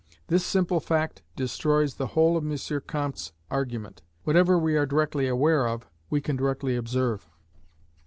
This simple fact destroys the whole of M. Comte's argument. Whatever we are directly aware of, we can directly observe.